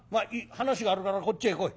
話があるからこっちへ来い」。